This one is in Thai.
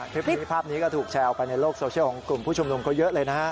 คลิปนี้ภาพนี้ก็ถูกแชร์ออกไปในโลกโซเชียลของกลุ่มผู้ชุมนุมเขาเยอะเลยนะฮะ